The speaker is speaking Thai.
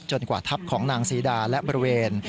กว่าทับของนางศรีดาและบริเวณ